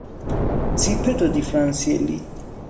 جیپ دو دیفرانسیلی